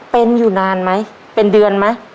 เป็นอยู่นานไหมเป็นเดือนไหม